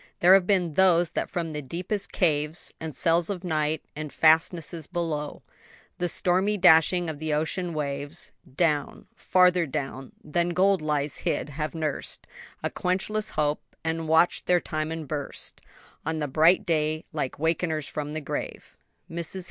There have been those that from the deepest caves, And cells of night and fastnesses below The stormy dashing of the ocean waves, Down, farther down than gold lies hid, have nurs'd A quenchless hope, and watch'd their time and burst On the bright day like wakeners from the grave." MRS.